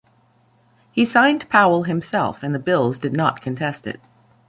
He signed Powell himself, and the Bills did not contest it.